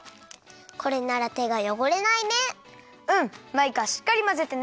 これならてがよごれないね！